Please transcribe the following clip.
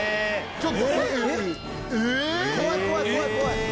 怖い怖い怖い怖い！